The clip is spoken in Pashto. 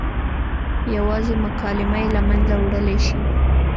یوازې مکالمه یې له منځه وړلی شي.